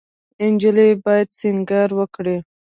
انجلۍ باید سینګار وکړي.